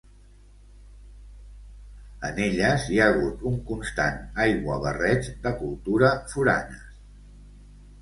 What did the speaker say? En elles hi ha hagut un constant aiguabarreig de cultura foranes